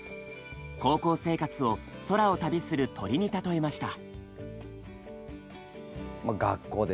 高校生活を空を旅する鳥に例えました。